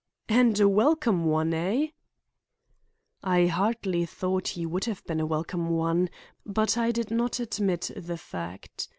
"And a welcome one, eh?" I hardly thought he would have been a welcome one, but I did not admit the fact.